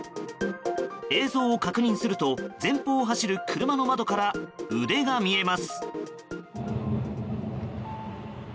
映像を確認すると前方を走る車の窓から腕が見えます。